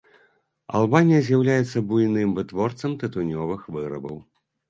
Албанія з'яўляецца буйным вытворцам тытунёвых вырабаў.